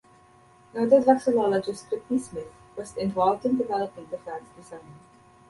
Noted vexillologist Whitney Smith was involved in developing the flag's design.